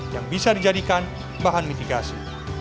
yang bisa dijadikan bahan mitigasi